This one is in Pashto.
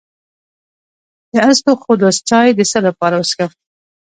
د اسطوخودوس چای د څه لپاره وڅښم؟